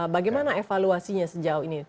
bagaimana evaluasinya sejauh ini